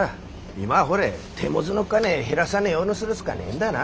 今はほれ手持ぢの金減らさねえようにするしかねえんだな。